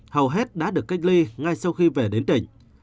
hầu hết đã được cách ly ngay sau khi về đến tỉnh